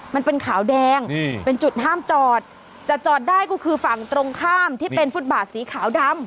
มันเป็นขาวแดงเป็นจุดห้ามจอดจะจอดได้ก็คือฝั่งตรงข้ามที่เป็นฟุตบาทสีขาวดำ